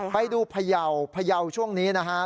ไปดูพะเยาว์พะเยาว์ช่วงนี้นะฮะ